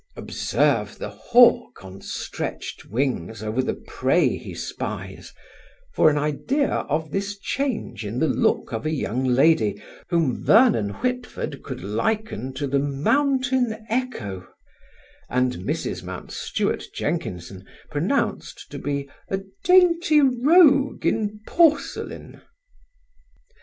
Observe the hawk on stretched wings over the prey he spies, for an idea of this change in the look of a young lady whom Vernon Whitford could liken to the Mountain Echo, and Mrs. Mountstuart Jenkinson pronounced to be "a dainty rogue in porcelain".